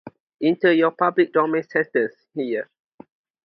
Enter your public domain sentence here.